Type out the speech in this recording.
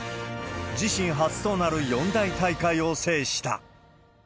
自身初となる四大大会を制した。